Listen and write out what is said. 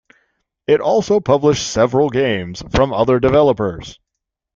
It also published several games from other developers.